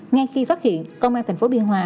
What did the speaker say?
ngay khi phát hiện công an tp biên hòa